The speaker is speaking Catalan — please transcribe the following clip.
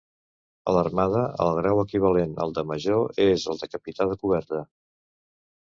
A l'armada el grau equivalent al de major és el de capità de corbeta.